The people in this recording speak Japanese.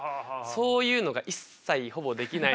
そういうのが一切ほぼできないので。